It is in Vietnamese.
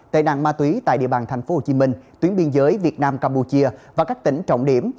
tệ nạn ma túy tại địa bàn thành phố hồ chí minh tuyến biên giới việt nam campuchia và các tỉnh trọng điểm